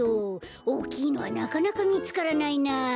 おおきいのはなかなかみつからないなあ。